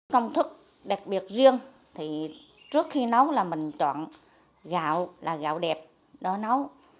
công thức đặc biệt riêng thì trước khi nấu là mình chọn gạo là gạo đẹp đó nấu